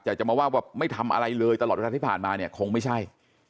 แต่จะมาว่าว่าไม่ทำอะไรเลยตลอดเวลาที่ผ่านมาเนี่ยคงไม่ใช่